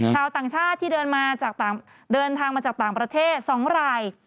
ชาวต่างชาติที่เดินทางมาจากต่างประเทศ๒ราย